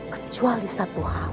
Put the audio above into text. kecuali satu hal